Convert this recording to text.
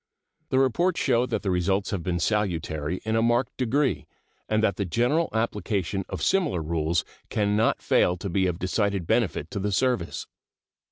The reports show that the results have been salutary in a marked degree, and that the general application of similar rules can not fail to be of decided benefit to the service.